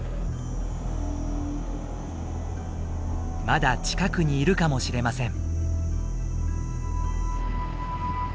まだ近くにいるかもしれません。